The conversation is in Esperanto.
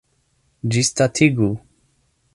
Ĝisdatigu!